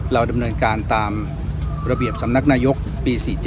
เราดำเนินการตามระเบียบสำนักนายกปี๔๗